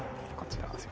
「こちら」